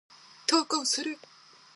投稿する。